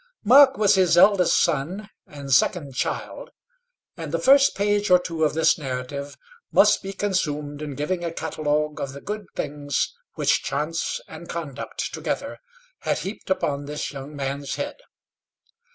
Mark was his eldest son and second child; and the first page or two of this narrative must be consumed in giving a catalogue of the good things which chance and conduct together had heaped upon this young man's head.